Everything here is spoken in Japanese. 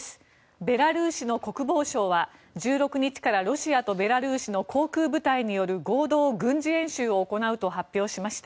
ベラルーシの国防省は１６日からロシアとベラルーシの航空部隊による合同軍事演習を行うと発表しました。